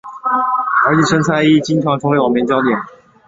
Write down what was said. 而其身材亦经常成为网民焦点。